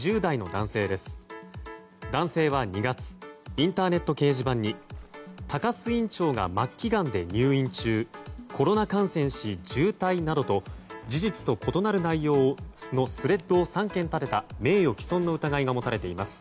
男性は、２月インターネット掲示板に高須院長が末期がんで入院中コロナ感染し重体などと事実と異なる内容のスレッドを３件立てた名誉毀損の疑いが持たれています。